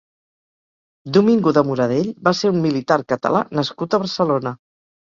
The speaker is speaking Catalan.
Domingo de Moradell va ser un militar Català nascut a Barcelona.